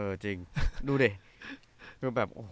เออจริงดูดิ